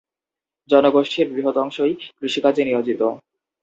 জনগোষ্ঠীর বৃহৎ অংশই কৃষিকাজে নিয়োজিত।